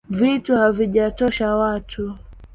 Vitu havijatosha watu